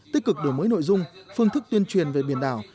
tích cực đổi mới nội dung phương thức tuyên truyền về biển đảo